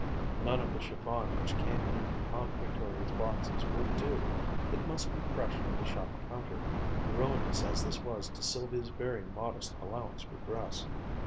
None of the chiffon which came in Aunt Victoria's boxes would do. It must be fresh from the shop counter, ruinous as this was to Sylvia's very modest allowance for dress.